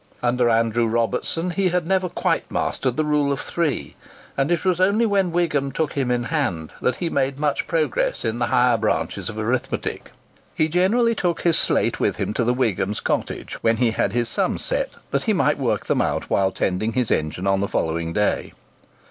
Under Andrew Robertson, he had never quite mastered the Rule of Three, and it was only when Wigham took him in hand that he made much progress in the higher branches of arithmetic. He generally took his slate with him to the Wighams' cottage, when he had his sums set, that he might work them out while tending his engine on the following day.